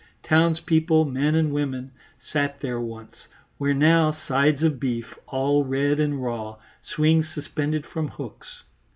Townspeople, men and women, sat there once, where now sides of beef, all red and raw, swing suspended from hooks.